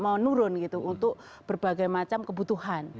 kebutuhan kan sudah menurun gitu untuk berbagai macam kebutuhan